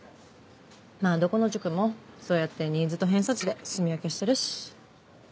まぁどこの塾もそうやってニーズと偏差値ですみ分けしてるし。